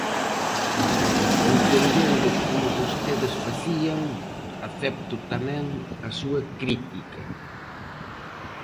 Entendendo como vostedes facían, acepto tamén a súa crítica.